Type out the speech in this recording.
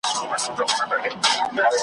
د علامه حبیبي پر کار حملې کوي